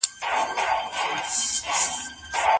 د نړيوالو تجاربو څخه په ګټي اخيستنې سره خپله ټولنه بدله کړئ.